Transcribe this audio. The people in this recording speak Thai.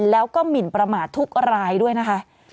แล้วก็หมินประมาททุกรายด้วยนะคะ